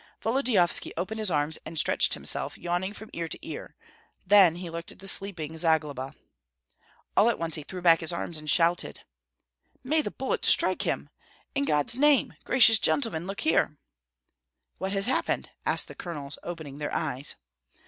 Volodyovski opened his arms and stretched himself, yawning from ear to ear; then he looked at the sleeping Zagloba. All at once he threw back his arms and shouted, "May the bullets strike him! In God's name! Gracious gentlemen, look here!" "What has happened?" asked the colonels, opening their eyes.